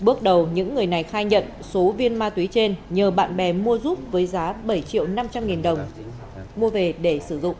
bước đầu những người này khai nhận số viên ma túy trên nhờ bạn bè mua giúp với giá bảy triệu năm trăm linh nghìn đồng mua về để sử dụng